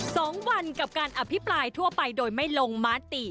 สองวันกับการอภิปรายทั่วไปโดยไม่ลงมาติ